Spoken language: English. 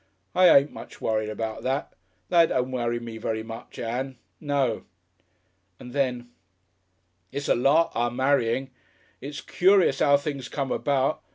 I ain't much worried about that. That don't worry me very much, Ann No." And then, "It's a lark, our marrying. It's curious 'ow things come about.